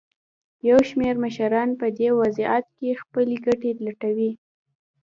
یو شمېر مشران په دې وضعیت کې خپلې ګټې لټوي.